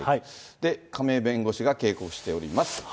で、亀井弁護士が警告しております。